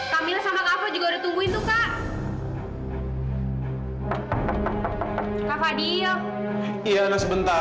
kamila sama kakak juga udah tungguin tuh kak kak fadil iya sebentar